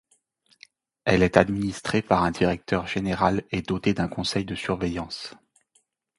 Elle est administrée par un directeur général et dotée d'un conseil de surveillance.